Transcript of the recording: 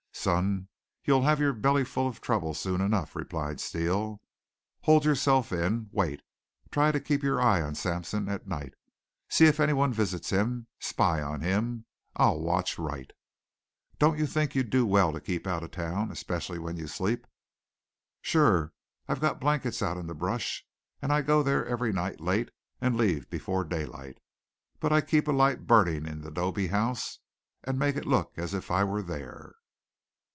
"Son, you'll have your belly full of trouble soon enough," replied Steele. "Hold yourself in. Wait. Try to keep your eye on Sampson at night. See if anyone visits him. Spy on him. I'll watch Wright." "Don't you think you'd do well to keep out of town, especially when you sleep?" "Sure. I've got blankets out in the brush, and I go there every night late and leave before daylight. But I keep a light burning in the 'dobe house and make it look as if I were there."